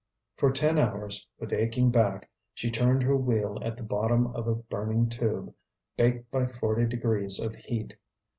For ten hours, with aching back, she turned her wheel at the bottom of a burning tube, baked by forty degrees of heat.